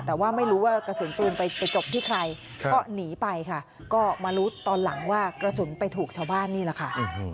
แต่ว่าไม่รู้ว่ากระสุนปืนไปจบที่ใครก็หนีไปค่ะก็มารู้ตอนหลังว่ากระสุนไปถูกชาวบ้านนี่แหละค่ะ